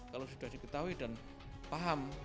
kalau sudah diketahui dan paham